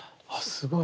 すごい。